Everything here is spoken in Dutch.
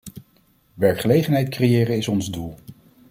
Werkgelegenheid creëren is ons doel.